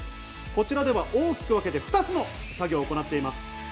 こちらでは大きく分けて２つの作業を行っています。